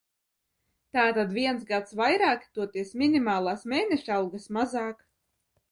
Tātad viens gads vairāk, toties minimālās mēnešalgas mazāk.